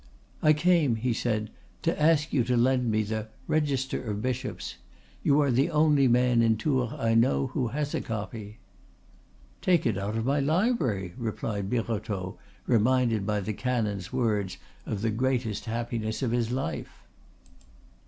"I came," he said, "to ask you to lend me the 'Register of Bishops.' You are the only man in Tours I know who has a copy." "Take it out of my library," replied Birotteau, reminded by the canon's words of the greatest happiness of his life.